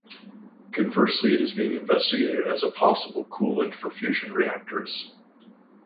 Conversely, it is being investigated as a possible coolant for fusion reactors.